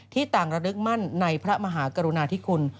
ต่างระลึกมั่นในพระมหากรุณาธิคุณ